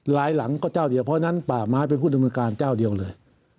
หลังก็เจ้าเดียวเพราะฉะนั้นป่าไม้เป็นผู้ดำเนินการเจ้าเดียวเลย